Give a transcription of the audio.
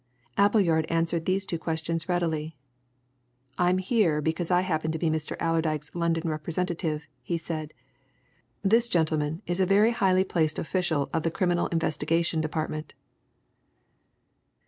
Appleyard answered these two questions readily. "I'm here because I happen to be Mr. Allerdyke's London representative," he said. "This gentleman is a very highly placed official of the Criminal Investigation Department."